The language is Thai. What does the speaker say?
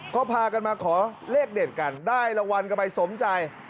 ก็พากันมาขอเลขเด็ดกันได้รางวัลกันไปสมใจ